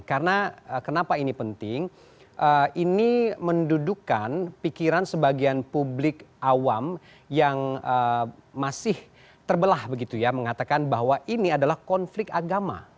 karena kenapa ini penting ini mendudukan pikiran sebagian publik awam yang masih terbelah begitu ya mengatakan bahwa ini adalah konflik agama